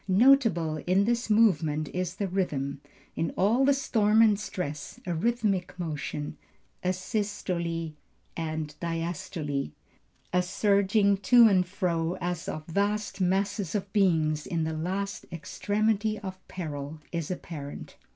Notable in this movement is the rhythm. In all the storm and stress, a rhythmic motion, a systole and diastole, a surging to and fro, as of vast masses of beings in the last extremity of peril, is apparent.